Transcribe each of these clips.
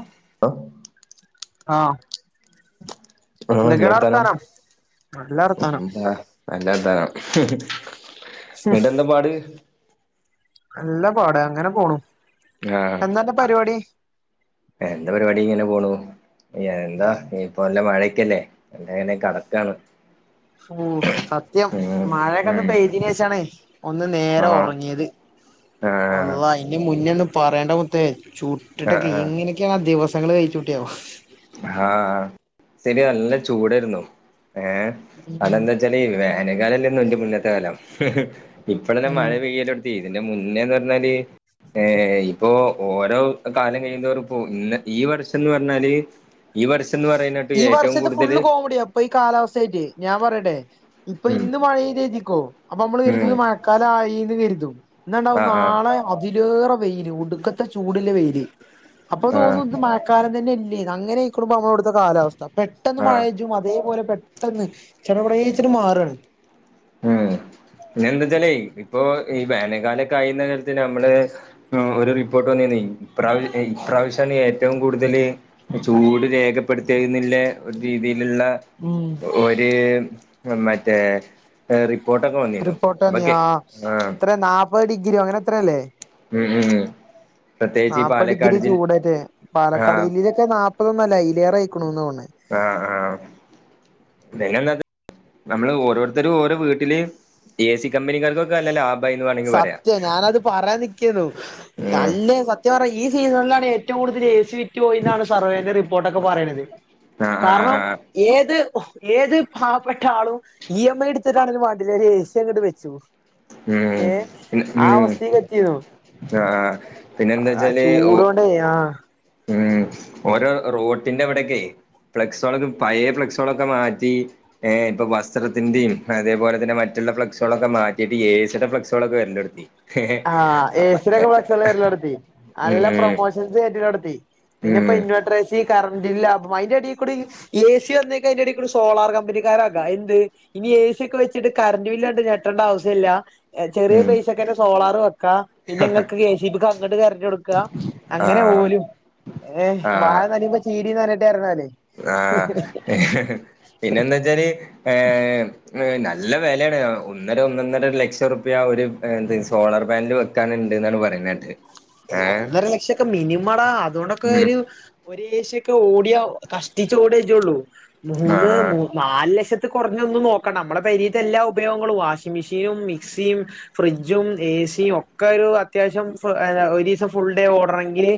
[unintelligible] ആഹ്. ആഹ്, എന്തൊക്കെയാടാ ന്തർത്താനം വർത്താനം നല്ല വർത്താനം ന്താ? നല്ല ർത്താനം. [inaudible] ന്നിട്ടെന്താ പാട്? നല്ല പാട്, അങ്ങനെ പോണു. എന്താന്റെ പരിവാടി. എന്ത പരിപാടി ഇങ്ങനെ പോണു. എന്താ. ഏഹ് ഇ പ്പ നല്ല മഴക്കല്ലേ ങ്ങനെ കെടക്കാണ്. ഓ സത്യം, ഉം മഴക്കൊന്ന് ഉം പേയ് തീനേശാണയ്. ഒന്ന് നേര ആഹ് ഒറങ്ങിയത്, ആഹ് വള്ളാഹി. തിന് മുന്നേ ഒന്നു പറയേണ്ട മുത്തേ, ചു ആഹ് ട്ടിട്ടൊക്കെ ആഹ് എങ്ങനെ കെയാ ദിവസങ്ങൾ കഴിച്ചുട്ടിയാവം. ആഹ്, ആഹ്, ശരി നല്ല ചൂടേര്ന്നു. ഏ ഉം അതെന്നെ. ന്തച്ചാലേ, വേനകാലംല്ലേന്ന തിന്റെ മുന്നത്തെ കാലം [unintelligible] ഇപ്പളല്ലെ മഴ ഉം പെയ്യലൊ ഇതിന്റെ മുന്നേന്നർഞ്ഞാല്. ഏ, ഇപ്പോ ഓരോ കാലം കഴിയുന്തോറും ഇപ്പോ ഈ വർഷംന്ന് പറഞ്ഞാല്. ഈ വർഷംന്ന് പറയുന്നട്ട് ഈ ഏറ്റവും വർഷത് കൂടുതല് ഫുള്ള് കോമഡിയാ. ഇപ്പൊ ഈ കാലാവസ്ഥയിട്ട്. ഞാൻ പറയട്ടെ, ഇപ്പൊ ഉം ഇന്ന് മഴ പെയ്ത് ര്തിക്കോ, നമ്മള് കര്തും ഉം ഇത് മഴ ക്കലായീന്ന് കര്തും ന്നണ്ടാവും ആഹ് ആഹ് നാളെ അതിലേറെ വെയില് ഒടുക്കത്തെ ചൂടിള്ളെ വെയില്. അപ്പൊ ആഹ് തോന്നും ഇത് മഴക്കാലം തന്നെല്ലേന്ന്? അങ്ങനെ യിക്കുണു ഇപ്പം നമ്മടെ വിടുത്തെ കാലാവസ്ഥ. പെട്ടെന്ന് ആഹ് മഴ. തും അതേപോലെ, പെട്ടെന്ന്. ചെട പെടേച്ചിട്ട് മാറാണ്. ഉം, പിന്നെന്താച്ചാലേ, ഇപ്പൊ ഈ വേനൽക്കാലൊക്ക ആയീന് കര്തി നമ്മള്. മ്, ഒരു റിപ്പോർട്ട് വന്നീനെ. ഇപ്രാവ് ഏ ഇപ്രാവശ്യാണ് ഏറ്റവും കൂടുതല്. ചൂട് രേഖ. പെടുത്തേകുന്നില്ലേ രീതിയിലുള്ള ഉം ഒരു മറ്റേ ഏഹ് റിപ്പോർട്ട റിപ്പോട്ടോന്നിയോ എത്രേ നാപ്പത് ഡിഗ്രിയോ അങ്ങനെ എത്രയോല്ലെ ഉം ഉം പ്രത്യേകിച്ച് ഈ നാപ്പത് പാലക്കാട് ഡിഗ്രി ജിൽ ചൂടല്ലെ പാലക്കാട് ആഹ് ജില്ലയിൽ നാപ്പതൊന്നല്ല അയിലേറെ അയിക്കണോന്നാ ഓണേ ആഹ് ആഹ് പിന്നെന്ത് നമ്മള് ഓരോരുത്തരും ഓരോ വീട്ട്ല് എ സി കബിനാർക്കൊക്കെ നല്ല ലാ സത്യം ഞാനത് പറയാ നികേനു ഉം നല്ല സ സത്യം പറാ ഈ സീസണ്ലാണ് ഏറ്റവും കൂടുൽ എ സി ഫി പോയി എന്നാണ് സർവേന്റെ റിപ്പോർട്ടൊക്കെ പറയണത് ആഹ് ആഹ് കാരണം ആഹ് ഏത് ഏത് പാവപ്പെട്ട ആളും ഇ എം ഐ എടുത്തിട്ടാണെലും വേണ്ടില്ലാ ഒരു എ സി അങ്ങട് വെച്ചു ഉം ഏഹ് പിന്നെ ആ ഉം അവസ്ഥീലെത്തീണോ ആഹ് പിന്നെന്താ വെച്ചാല് ഓ ചൂടോ ണ്ടേ ആഹ് ഉം ഓരോ റോട്ടിന്റെ ഇവിടെക്കെ ഫ്ലെക്സോൾക്കെ പഴേ ഫ്ലെക്സോളൊക്കെ മാറ്റി. ഏഹ് ഇപ്പൊ വസ്ത്രത്തിന്റിം അതേപോലെ തന്നെ മറ്റുള്ള ഫ്ലക്സുകളൊക്കെ മാറ്റിയിട്ട് എ സി ടെ ഫ്ലക്സുകളൊക്കെ വര്ല്ലൊട്ത്തി. ആഹ് ഏസിടൊക്കെ ഫ്ലെക്സള് വര് ലൊട്ത്തി. ഉം അല്ല പ്രൊമോഷ [unintelligible] ഉം പിന്നെപ്പ ഉം ഇൻവേട്ടർ എസി കറന്റില്ല അപ്പൊ അയ്ന്റെടികൂടി ഏ സി വന്നേക്ക അയ്ന്റെടേക്കൂടെ സോളാർ കമ്പനിക്കാരാകാ എന്ത് ഇനി എ സിയക്കെ വെച്ചിട്ട് കറണ്ട് ബില്ലണ്ട് ഞെട്ടണ്ട ആവ്സ്യല്ല. ചെറിയ ഉം പൈസക്കെന്നെ സോളാറ് വെക്കാ പിന്നെങ്ങക്ക് കെസിബിക്ക്‌ അങ്ങട്ട് കര്ന്റൊട്ക്കാ അങ്ങനെ ആഹ് ഓലും ഏഹ് വാഴ ആഹ് നനയുമ്പോ ചീരിം നനയട്ടേർഞ്ഞാലേ ആഹ് പിന്നെന്താച്ചാല് ഏ നല്ല വെലേണ് ഒന്നര ഒന്നന്നര ലക്ഷം ർപ്യ ഒരു എന്ത്‌ സോളാർ പാനൽ വെ ക്കാന്ണ്ട് ന്നാണ് പറയുന്നേട്ടഹ്. ഏയ് ഒന്നര ലക്ഷൊക്കെ മിനിമടാ അതോണ്ടൊക്കെ ഉം ഒരു ഒരു എസിക്കൊ ഓടിയാ കഷ്ടിച്ച ഓടേജുള്ളൂ. മൂന്ന് ആഹ് ആഹ് മൂ നാല് ലക്ഷത്ത് കൊറഞ്ഞൊന്നും നോക്കണ്ട നമ്മുടെ പെരീത്തെ എല്ലാ ഉപയോഗങ്ങളും വാഷിംഗ് മിഷീനും മിക്സിം ഫ്രിഡ്ജും ഏസിം ഒക്കെ ഒരു അത്യാവശ്യം ഫ ഈഹ് ഒരീസം ഫുൾഡേ ഓടണെങ്കില്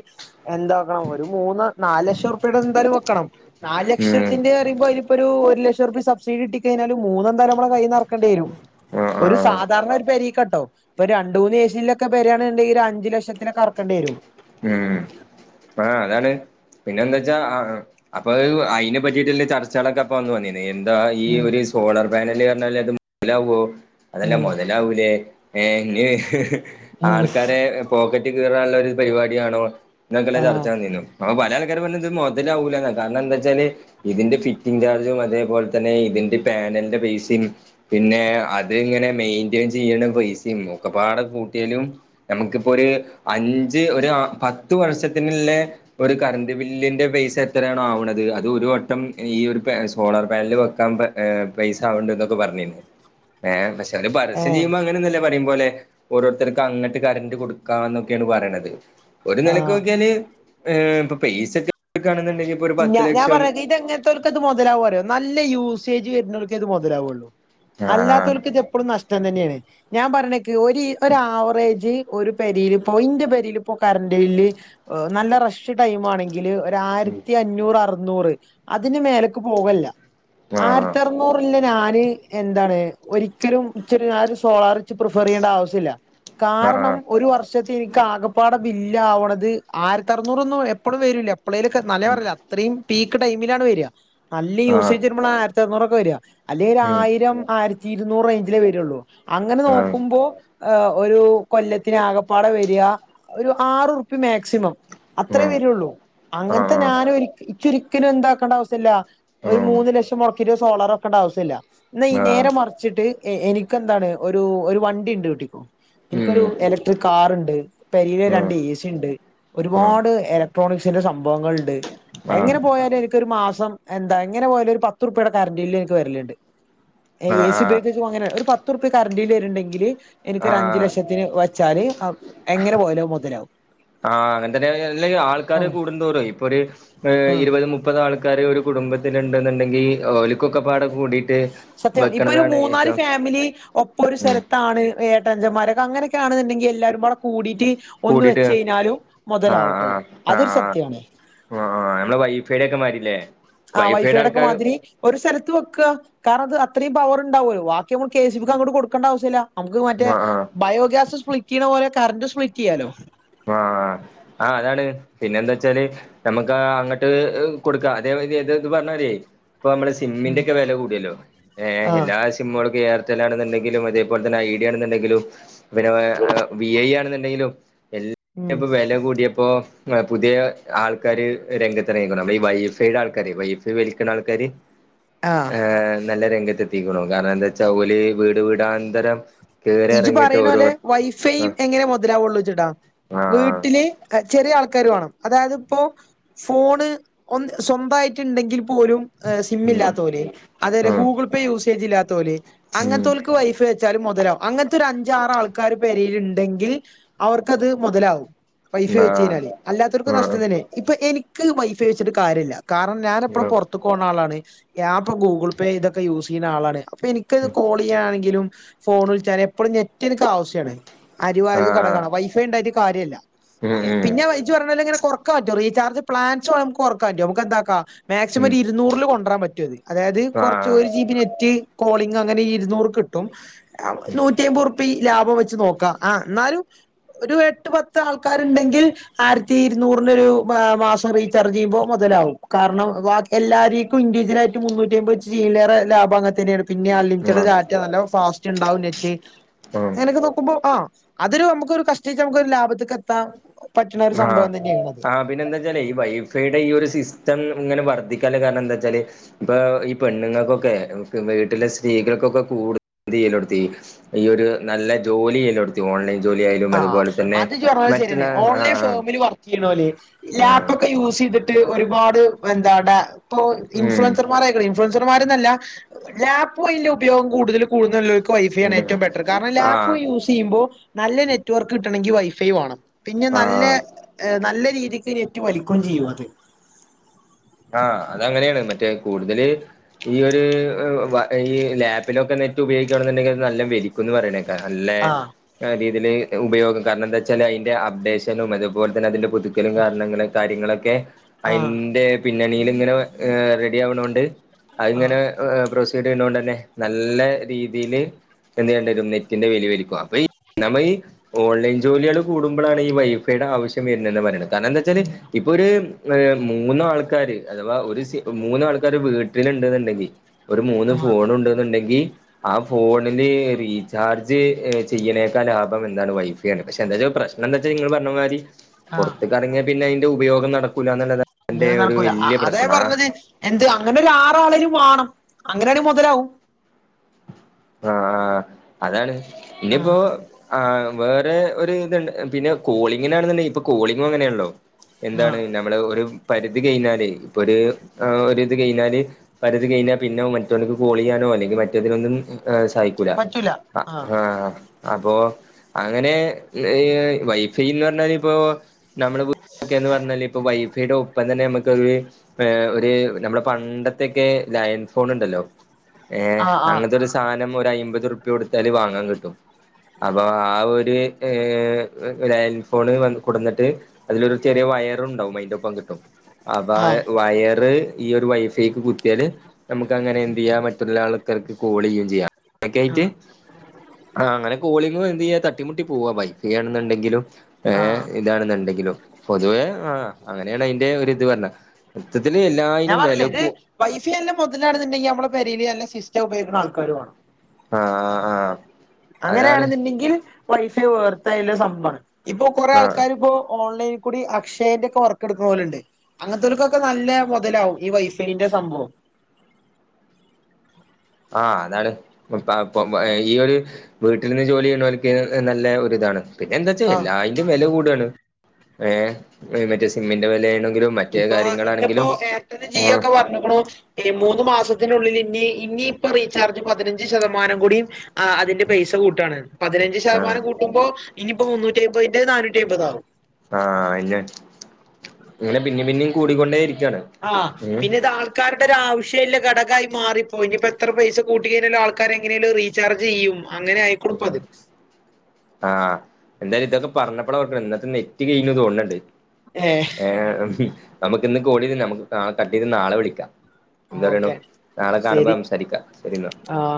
എന്താ ഒരു മൂന്ന് നാലക്ഷർപ്പ്യെടെ എന്തായാലും വെക്കണം നാല് ഉം ലക്ഷത്തിന്റെ റിമ്പം ഒര് ഇപ്പൊരു ഒരു ലക്ഷം ഉർപ്യ സബ്സിഡി കിട്ടിക്കഴിഞ്ഞാലും മൂന്നെന്തായാലും നമ്മളെ കൈയിന്ന് എറക്കെണ്ട്യേരും. ആഹ് ഒരു ആഹ് സാധാരണ ഒരു പെരീക്കാട്ടോ ഇപ്പൊ രണ്ട് മൂന്ന് ഏസില്ലൊക്കെ പെരേണ്ണ്ടെങ്കി അ അഞ്ച് ലക്ഷത്തിനക്കർക്കണ്ടിരും. ഉം ആഹ് അതാണ് പിന്നെയെന്താച്ചാ ആ ഉം അപ്പ അഹ് അയിനെ പറ്റിട്ട്ല്ലെ ചർച്ചകളൊക്കെ അപ്പൊ അന്ന് വന്നി നീയെന്താ ഈ ഉം ഒരു സോളാർ പാനല് പറഞ്ഞാല് അത് മൊതലാവോ അതല്ല ഉം മൊത [unintelligible] ഏഹ് ഇങ്ങനെ ഉം ആൾക്കാരെ പോക്കറ്റ് കീറാള്ളൊര് പരിവാടിയാണോ ഇന്നൊക്കല്ലെ ചർച്ച ആഹ് വെന്നീനു അപ്പൊ പല ആൾക്കാര് പറഞ്ഞത് ഇത് മൊതലാവൂലാന്നെ കാരണം എന്താച്ചാല് ഇതിന്റെ ഫിറ്റിംഗ് ചാർജും അതേപോല് തന്നെ ഇതിന്റെ പാനല്ന്റെ പൈസിം പിന്നെ അത് ഇങ്ങനെ മെയിന്റേൻ ചെയ്യണ പൈസിം ഒക്കെപ്പാടെ കൂട്ടിയാലും ഞമ്മക്ക് ഇപ്പൊര് അഞ്ച് ഒര് ആ പത്ത് വർഷത്തിന്ള്ളെ ഒരു കറണ്ട് ബില്ലിന്റെ പൈസ എത്രയാണോ ആവണത്, അത് ഒരു വട്ടം ഈ ഒരുപെ സോളാർ പാനൽ വെക്കാൻ ഏ പൈസ ആവണൊണ്ട് എന്നൊക്കെ പറഞ്ഞിരുന്നു, ഏ പക്ഷെ അവര് പരസ്യം ആഹ് ചെയ്യുമ്പോ അങ്ങനൊന്നല്ല പറയും പോലെ ഓരോര്ത്തര്ക്കങ്ങട്ട് കരന്റ് കൊടുക്കാന്നൊക്കേണ് പറിണത് ഒരു ആഹ് നെലക്കോക്കിയാല് ഏഹ് ഇപ്പ പൈസക്കെ എട്ക്കാണെന്ന്ണ്ടെങ്കി ഞ ഞാൻ പറയാ ഇതെങ്ങത്തോലക്കാ ഇത് മുതലാവ അറിയോ നല്ല യൂസേജ് വര്ണോല്ക്കെ ഇത് മൊതലാവൊള്ളു ആ അല്ലാത്തോല്ക്ക് ഇതപ്പെള്ളും നഷ്ടം തന്നേണ് ഞാൻ പറ്ഞ്ഞേക്ക് ഒര് ഒരു ആവറേജ് ഒരു പെരീല്പ്പോ ഇന്റെ പെരീല്പ്പോ കരണ്ട് ബില്ല് ഓഹ് നല്ല റഷ് ടൈമാണെ ങ്കില് ഒരായിരത്തി അഞ്ഞൂറ് അറുന്നൂറ് അതിന് മേലക്ക് പോകല്ല ആ ആയിരത്തിഅറ [unintelligible] ഞാന് എന്താണ് ഒരിക്കലും ഇച്ചൊര് ആ ഒര് സോളാർ പ്രിഫർ ചെയ്യേണ്ട ആവശ്യല്ല, ആ കാരണം ഒരു വർഷ എനിക്ക് ആകപ്പാടെ ബില്ല് ആവണത് ആയിരത്തി അറുന്നൂറൊന്നും എപ്പോളും വരൂല്ല, എപ്പളേലുമൊക്കെ ന്നാലെ ഇത്രയും പീക്ക് ടൈമിലാണ് വരിക നല്ല ആ ആ യൂസേജ് വരുമ്പോ ആയിരത്തി അറുന്നൂറൊക്കെ വരിക അല്ലെ ഒരു ഉം ആയിരം ആയിരത്തി ഇരുന്നൂറ് റേഞ്ചിലേ വരുള്ളൂ അങ്ങനെ ആ നോക്കുമ്പോ ആ, ഒരു കൊല്ലത്തിന് ആകപ്പാട വരിക ഒരു ആറ്‌റുപ്പി മാക്സിമം. അത്രേ ഉം വരുള്ളൂ ആ ആ അങ്ങനത്തെ ഞാനും ഇച്ചൊരിക്കലും എന്താക്കേണ്ട ആവശ്യല്ല. ഒരു ഉം മൂന്ന് ലക്ഷം മുടക്കിട്ട് സോളാറ് വെക്കേണ്ട ആവശ്യം ഇല്ല, ഇന്ന ഈ ആ നേരെ മ വച്ചിട്ട് എനിക്ക് എന്താണ് ഒരു, ഒരു വണ്ടി ഉണ്ട് വീട്ടി എനിക്കൊരു ഉം ഇലക്ട്രിക് കാറുണ്ട് പെരേല് രണ്ട് എ ഉം സി ഉണ്ട്. ഒരുപാട് ഇലക്ട്രോണിക്സിന്റെ സംഭവങ്ങൾ ഉണ്ട്, ആ ആ എങ്ങനെ പോയാല് എനിക്കൊരു മാസം എന്താ എങ്ങനെ പോയാലും ഒരു പത്ത് റുപയുടെ കറണ്ട് ബില്ല് എനിക്ക് വരിലുണ്ട്. എ ആ സി ഉപയോഗിച്ച് അങ്ങന ഒരു പത്ത് റുപ്യ കറണ്ട്‌ വരുന്നുണ്ടെങ്കില് ആ എനിക്കൊരു അഞ്ചു ലക്ഷത്തിന് കരയും ആ, അങ്ങനത്തെന്നല്ല ആൾക്കാര് ആഹ് കൂടുന്തോറും ഇപ്പൊ ഒരു ആഹ് ഇരുപത് മുപ്പത് ആൾക്കാര് ഒരു കുടുംബത്തില് ഉണ്ടെന്നുണ്ടെങ്കിൽ ഓലിക്കൊക്കെ പാട് കൂടിട്ട് സത്യം ഇപ്പൊ ഒരു മൂന്നാല് ഫാമിലി ഒപ്പ ഒരു ഉം സ്ഥലത്താണ് ഏട്ടഞ്ചന്മാ ഒരാക്കെ അങ്ങനൊക്കെയാണന്നുണ്ടെങ്കിൽ എല്ലാരും കൂടെ കൂടിട്ട് ഒന്ന് കൂടിട്ട് വെച്ച കഴിഞ്ഞാലും മുതലാവും അതൊരു സത്യാണ്. ആ അത് നമ്മളടെ വൈഫൈ ഡെ ഒക്കെ മാതില്ലേ ആ വൈഫൈയുടെ ഒക്കെ മാതിരി ഒരു സ്ഥലത്ത് വെക്കുക കാരണം അത് അത്രയും പവർ ഉണ്ടാവുമല്ലോ ബാക്കി നമ്മൾ കെ സി ബിക്ക് അങ്ങോട്ട് കൊടുക്കണ്ട ആശ്യ ഇല്ല. നമുക്ക് മറ്റേ ആഹ് ആഹ് ബയോഗ്യാസ് സ്പ്ലിറ്റ് ചെയ്യണ പോലെ കറണ്ട് സ്പ്ലിറ്റ് ചെയ്യാലോ. ആ, ആ, അതാണ് പിന്നെ എന്താ വെച്ചാല് നമുക്ക് അങ്ങട്ട് കൊടുക്കാം അതേത്ത് പറഞ്ഞല്ലേ ഇപ്പൊ നമ്മള് ഉം സിമന്റിന്റെ ഒക്കെ വില കൂടിയല്ലോ ആ സിമ്മുകളൊക്കെ എയർടെൽ ആണുണ്ടെങ്കിലും അതേപോെന്നെ ഐഡിയണെന്നണ്ടെങ്കിലും പിന്നെ വി ഐ ആണെന്നുണ്ടെങ്കിലും എല്ല ഉം ഇപ്പ വില കൂടിയപ്പോ പുതിയ ആൾക്കാര് രംഗത്ത് ഇറങ്ങണം നമ്മള് ഈ വൈഫൈയുടെ ആൾക്കാര് വൈഫൈ വലിക്കുന്ന ആൾക്കാര് ആഹ് ഉം ഏ, നല്ല രംഗത്ത് എത്തിക്കണം, കാരണം എന്താ വെച്ചാ ഓലി വീട് വീടാന്തരം കേറി ഇജു ഇറങ്ങിയിട്ട് പറയുന്ന ഓരോ പോലെ വൈഫൈയും ആഹ് എങ്ങനെ മുതലാവുള്ളൂ വെച്ചിട്ടാ വീട്ട ആഹ് വീട്ടില് ക ചെറിയ ആൾക്കാർ വേണം അതായത് ഇപ്പോ ഫോണ് ഒന്ന് സ്വന്തമായിട്ട് ഉണ്ടെങ്കിൽ പോലും സിം ഉം ഇല്ലാത്തോര്, അതപലെ ഉം ഗൂഗിൾ പേ യൂസേജ് ഇല്ലാത്തോര് അങ്ങനത്തെക്ക് ഉം വൈഫൈ വച്ചാലും മുതലാവും അങ്ങനത്തെ ഒരു അഞ്ചാറ ആൾക്കാർ പേരയിലുണ്ടെങ്കിൽ അവർക്കത് മുതലാകും. വൈഫൈ വെച്ച് കഴഞ്ഞാല് ആഹ് അല്ലാത്തർക്കും നഷ്ടം ആഹ് തന്നെ ഇപ്പൊ എനിക്ക് വൈഫൈ വെച്ചിട്ട് കാര്യല്ല. കാരണം ഞാൻ എപ്പഴും പുറത്തു പോകണ ആളാണ്, ആപ്പ് ഗൂഗിൾ പേ ഇതൊക്കെ യൂസ് ചെയ്യുന്ന ആളാണ്. ഇപ്പ എനിക്കത് കോൾ ചെയ്യാണെങ്കിലും ഫോൺ വിളിച്ചാലും എപ്പോഴും നെറ്റ് എനിക്ക് ആവശ്യമാണ്. ആഹ് അരുവായത് ആഹ് കണക്കാണ്, വൈഫൈ ഉണ്ടായിട്ട് കാര്യമില്ല ഉം ഉം പിന്നെ വിളിച്ച് പറഞ്ഞല ഇങ്ങനെ ക്കാ പറ്റ റചാർജ് പ്ലാൻോ നമക്ക്റക്കാൻറ്റ നമുക്ക് എന്താക്കാ മാക്സിമം ഉം ഒരു ഇരുന്നൂറിൽ കൊണ്ടരാൻ പറ്റ അത് അതായത് കുറച്ച് ആഹ് ഒരു ജിബി നെറ്റ് കോളിംങ് അങ്ങനെ ഇരുന്നൂറ് കിട്ടും നൂറ്റിയമ്പത് റുപ്പി ലാഭം വെച്ച് നോക്കാം ആഹ് എന്നാലും ഒരു എട്ട് പത്ത് ആൾക്കാരുണ്ടെങ്കിൽ ആയിരത്തി ഇരുന്നൂറിന് ഒരു മാസം റീചാർജ് ചെയ്യുമ്പോൾ മുതലാവും കാരണം ബാക്കി എല്ലാരേക്കും ഇൻഡവിജ്വൽ ആയിട്ട് മുന്നൂറ്റി അമ്പത് വെച്ചിട്ട് ലാഭം അങ്ങനെ [unintelligible] പിന്നെ അൺലിമിറ്റഡ് ആഹ് ഡാറ്റ നല്ല ഫാസ്റ്റ് ഉണ്ടാവും നെറ്റ് ഉം അതൊക്കെ നോക്കുമ്പോ അതൊരു ഒരു കഷ്ടിച്ച നമുക്കൊരു ലാഭത്തിലേക് എത്താ പറ്റുന്ന ഒരു സംഭവം തന്നെയാാണ് അത് പിന്നെ എന്താ വെച്ചാല് ഈ വൈഫൈയുടെ ഈ ഒരു സിസ്റ്റം ഇങ്ങനെ വർദ്ധിക്കാല് കാരണം എന്താ വച്ചാല്. ഇപ്പൊ ഈ പെണ്ണുങ്ങൾക്കൊക്കെ വീട്ടിലെ സ്ത്രീകൾക്കൊക്കെ കൂടുതൽ [unintelligible] ഈ ഒരു നല്ല ജോലിയെല്ലാടുത്തി ഓൺലൈൻ ജോലി ആയാലും ആഹ് അതുപോലെ തന്നെ അത് ഇജ്ജ് പറഞ്ഞത് മറ്റുള്ള ശരിയന്നെ ഓൺലൈൻ ആഹ് ഫോമിൽ വർക്ക് ചെയ്യണോല്ലെ ആഹ് ആഹ് ലാപ് ഒക്കെ യൂസ് ചെയ്തിട്ട് ഒരുപാട് എന്താ ഇപ്പോ ഉം ഇൻഫ്ലുവൻസർമാരായി [unintelligible] യക്ക ഇൻഫ്ലുവൻസർമാർന്നല്ല ലാപ്പ് പോയിന്റെ ഉപയോഗം കൂടുതല കൂടുതലു ഉള്ളവർക്ക് വൈഫൈ ആണ് ഉം ഏറ്റവും ബെറ്റർ കാരണം ലാപ്പ് ആഹ് യൂസ് ചെയ്യുമ്പോൾ നല്ല നെ നെറ്റ്‌വർക്ക് കിട്ടണമെങ്കിൽ വൈഫൈ വേണം പിന്നെ നല്ല ആഹ് നല്ല രീതിക്ക് നെറ്റ് വലിക്കുകയും ചെയ്യും അത് ആഹ അത് അങ്ങനെയാണ് മറ്റേ കൂടുതല് ഈ ഒരു ഒ [unintelligible] ഈ ലാപ് കപ്പിലൊക്കെ നെറ്റ് ഉപയോഗിക്കുകണെന്നുണ്ടെങ്കിൽ നല്ല വലിക്കുന്ന് പറയണേക്കാം അല്ലെ ആഹ് ആരീതിയിൽ ഉപയോഗം കാരണം എന്താ വെച്ചാൽതിന്റെ അപ്ഡേഷനും അതുപോലെ തന്നെ അതിൻ്റെ പുതുക്കലും കാരണങ്ങളും കാര്യങ്ങളൊക്കെ ആഹ് അതിൻ്റെ പിന്നണിയില് ഇങ്ങനെ റെഡി ആവണൊണ്ട് അതിങ്ങനെ ആഹ് പ്രൊസീഡ് ചെയ്യുന്നത് കൊണ്ട് തന്നെ നല്ല രീതിയില് [unintelligible] ഓൺലൈൻ ജോലികൾ കൂടുമ്പോഴാണ് ഈ വൈഫൈയുടെ ആവശ്യം വരുന്നന്നെന്ന് പറയുന്നത് കാരണം എന്താ വെച്ചാല് ഉം ഇപ്പൊ ഒരു ഹ് മൂന്ന് ആൾ- ആൾക്കാര് അഥവാ ഒരു സി മൂന്ന് ആൾക്കാര് വീട്ടിലുണ്ടെന്നുണ്ടെങ്കിൽ ഒരു മൂന്ന് ആഹ് ഫോൺ ഉണ്ടെന്നുണ്ടെങ്കി ആ ഫോണില് റീചാർജ് ഏ ചെയ്യണേക്കാ ലാഭം എന്താണ് വൈഫ് പക്ഷെന്താച്ച പ്രശനംന്താച്ചന്ന് നിങ്ങള് പറഞ്ഞ മാതിരി ആഹ് പുറത്തേകിറങ്ങിയാൽ പിന്നെ ഇതിന്റെ ഉപയോഗം നടക്കൂല എന്നുള്ള [unintelligible] കുല അതാ പറഞ്ഞത് എന്ത് അങ്ങനെ ഒരു ആറ് ആളെലും വേണം അങ്ങനെയാണെങ്കി മുതലാവും ആഹ് ആഹ് അതാണ് ആഹ് ഇനിയിപ്പോ ആഹ് വേറെ ഒരു ഇതുണ്ട് പിന്നെ കോളിങ്ങിനാണെന്നുണ്ടെിൽ ഇപ്പൊ കോളിംങ് അങ്ങനെണല്ലോ എന്താണ് ആഹ് നമ്മള് ഒരു പരിധി കഴിഞ്ഞാല് ഇപ്പൊ ഒരു ഒ ഒരിത് കഴിഞ്ഞാല് പരുതി കഴിഞ്ഞാൽ പിന്നെ മറ്റുവർക്ക് കോള് ചെയ്യാനോ അല്ലെങ്കിൽ മറ്റതിനൊന്നും ഏ സഹിക്കൂല ആഹ് ആ അപ്പോ അങ്ങനെ ഈ വൈഫ- ഫെയ്ന്ന് പറഞ്ഞാൽ ഇപ്പോ നമ്മുടെ വീട്ട് [inaudible] പറഞ്ഞാല് ഇപ്പോ വൈഫയുടെ ഒപ്പം തന്നെ നമ്മുക്കൊ- ഏഹ് ഒരു നമ്മുടെ പണ്ടത്തൊക്കെ ലൈൻ ഫോൺ ഉണ്ടല്ലോ ഏഹ് ആഹ് അങ്ങനത്തൊരു ആഹ് സാധനം ഒരു അയ്മ്പത് റുപ്യാ കൊടുത്താല് വാങ്ങാൻ കിട്ടും അപ്പൊ ആ ഒരു ഏഹ് ലൈൻഫോൺ വന്ന കൊടന്നിട്ട് അതിലൊരു ചെറിയ വയറ് ഉണ്ടാവും അതിൻ്റെ ഒപ്പം കിട്ടും അതായ് ആഹ് വയറ് ഈ ഒരു വൈഫൈക്ക് കുത്തിയാല് നമുക്ക് അങ്ങനെ എന്ത് ചെയ്യാ മറ്റുള്ള- ആൾ ർക്ക് കോളിയേ ചെയ്യാം അക്കായിട്ട് ആഹ് ആ അങ്ങനെ കോളിങ് എന്ത് ചെയ്യാ ബുദ്ധിമുട്ടി പോവാ വൈഫൈ യാണെന്നുണ്ടെങ്കിലും ഏഹ് ആഹ് ഇതാണെന്നുണ്ടെങ്കിലും പൊതുവേ ആഹ് അങ്ങനെയാണ് അതിന്റെ ഒരു ഇത് വന്നെ മോത്തത്തില് എല്ലാ- ഞാൻ പറഞ്ഞേ ഇത് വൈഫൈല്ലാം മുതലാണെന്നുണ്ടെങ്കി നമ്മള് പൊരയില്ല് സിസ്റ്റം ഉപയോഗിക്കുന്ന ആൾക്കാരുവോണം ആഹ് ആഹ് ആഹ് അതാണ് അങ്ങനെയാണെന്നുണ്ടെങ്കിൽ വൈഫൈ വേർത്തായ സംഭമാണ് ഇപ്പൊ കൊറേ ആഹ് ആൾക്കാർ ഇപ്പോ ഓൺലൈൻ കൂടി അക്ഷയന്റെ ഒക്കെ വർക്ക് എടുക്കുന്ന പോലെ ഉണ്ട് അങ്ങനത്തെവർക്കൊക്കെ നല്ല മുതലാവും ഈ വൈഫൈന്റെ സംഭവം ആഹ് അതാണ് [unintelligible] ഈ ഒരു വീട്ടിൽ നിന്ന് ജോലി ചെയ്യണക്ക് നല്ല ഒരുരിതാണ് പിന്നെ എന്താ വച്ചാ ആഹ് എല്ലായന്റെും വില കൂടയാണ് ഏ മറ്റേ സിമ്മിൻ്റെ വിലയാണെങ്കിലും മറ്റേ ഇപ്പൊ ഇന്നിപ്പോ കാര്യങ്ങളാണെങ്കിലും എയർടെലും ജിയോ ആ ഒക്കെ പറഞ്ഞുക്കുണു ഈ മൂന്ന് മാസത്തിനുള്ളിൽ ഇനി ഇനിയിപ്പൊ റീചാർജ് പതിനഞ്ച് ശതമാനം കൂടിയും ആ് അതിന്റെ പൈസ കൂട്ടുകയാണ് പതിനഞ്ച് ആഹ് ശതമാനം കൂട്ടുമ്പോ ഇനിയിപ്പോ മുന്നൂറ്റി അമ്പതിന്റെ നാനൂറ്റി അമ്പത് ആകും ആഹ് അയ്ന്നെ ഇങ്ങനെ പിന്നം പിന്നം കൂടിക്കൊണ്ടേ ഇരിക്കുവാണ് ആഹ് പിന്നെ ഇത് ആൾ ആൾക്കാരുടെ ഒരു ആവശ്യമില്ല ഘടകായി മാറിപ്പോയിനി ഇപ്പോ എത്ര പൈസ കൂട്ടി കഴിഞ്ഞാലും ആൾക്കാര് എങ്ങനെലും റിച്ച ചർച്ച ചെയ്യും അങ്ങനെ ആ [unintelligible] ആഹ് എന്തായാലും ഇതൊക്കെ പറഞ്ഞപ്പോഴ അവർക്ക ഇന്നത്തെ നെറ്റ് കഴു തോന്നണണ്ട് ഏഹ് ഏഹ് നമുക്ക് ഇന്ന് [unintelligible] നമുക്ക് നാളെ കട്ടെയ്ത് നാളെ വിളിക്കാം. എന്താ പറയണു. ഓക്കെ നാളെ കാണുമ്പോ ശരി സംസാരിക്കാം ശെരീന്നാ ആ